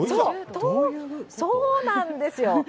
そうなんですよ。